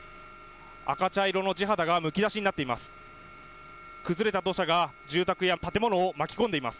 赤茶色の地肌がむき出しになっています。